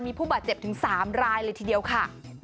มีผู้บาดเจ็บถึง๓รายเลยทีเดียวค่ะ